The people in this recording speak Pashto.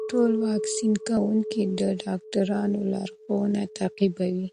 ټول واکسین کوونکي د ډاکټرانو لارښوونې تعقیبوي.